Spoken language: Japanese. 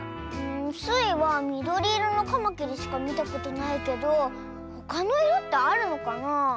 スイはみどりいろのカマキリしかみたことないけどほかのいろってあるのかなあ。